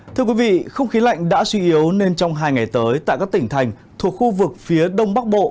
thưa quý vị không khí lạnh đã suy yếu nên trong hai ngày tới tại các tỉnh thành thuộc khu vực phía đông bắc bộ